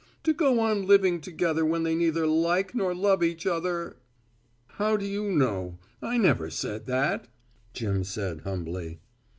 To go on living together when they neither like nor love each other " "How do you know? I never said that," Jim said humbly.